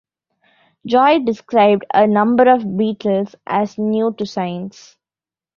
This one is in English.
Joy described a number of beetles as new to science.